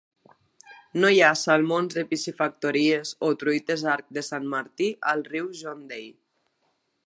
No hi ha salmons de piscifactories o truites arc de Sant Martí al riu John Day.